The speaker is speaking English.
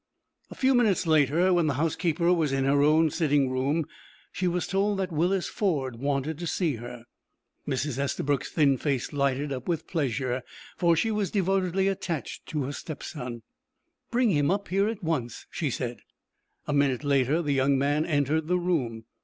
A few minutes later, when the housekeeper was in her own sitting room, she was told that Willis Ford wanted to see her. Mrs. Estabrook's thin face lighted up with pleasure, for she was devotedly attached to her stepson. "Bring him up here at once," she said. A minute later the young man entered the room.